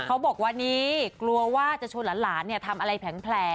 เขาบอกว่าวันนี้กลัวว่าจะชดหลานทำอะไรแผงแผล